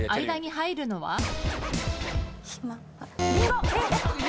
間に入るのは？